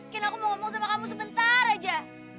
kini aku mau ngomong sama kamu sebentar aja